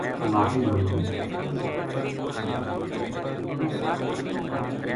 معافی منگی